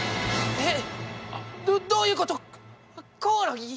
えっ？